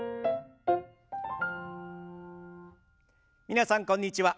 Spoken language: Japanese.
皆さんこんにちは。